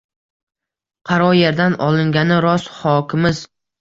Qaro yerdan olingani rost xokimiz.